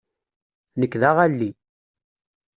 Nekk d aɣalli.